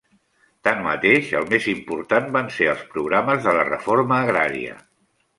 Tanmateix, el més important van ser els programes de la reforma agrària.